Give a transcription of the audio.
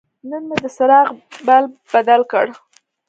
نن مې د څراغ بلب بدل کړ.